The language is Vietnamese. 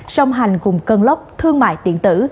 sông hành cùng cân lốc thương mại điện tử